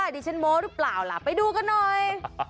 ดิฉันโม้หรือเปล่าล่ะไปดูกันหน่อย